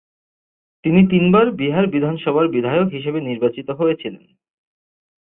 তিনি তিনবার বিহার বিধানসভার বিধায়ক হিসেবে নির্বাচিত হয়েছিলেন।